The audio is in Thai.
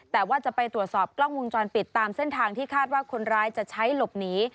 แต่ว่าจะไปตรวจสอบกล้องวงจรปิดตามเส้นทางที่คาดว่าคนร้ายจะใช้หลบหนี